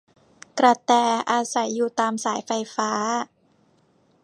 กระแต อาศัยอยู่ตามสายไฟฟ้า